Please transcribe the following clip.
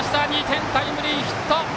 ２点タイムリーヒット！